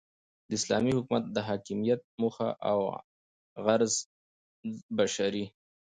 داسلامي حكومت دحاكميت موخه اوغرض بشري